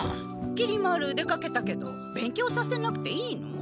きり丸出かけたけど勉強させなくていいの？